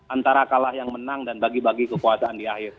antara kalah yang menang dan bagi bagi kekuasaan di akhir